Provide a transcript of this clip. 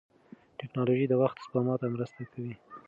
ټکنالوژي د وخت سپما ته مرسته کوي.